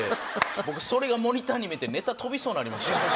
僕それがモニターに見えてネタ飛びそうになりました。